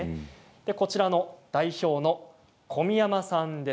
こちらの代表の小宮山さんです。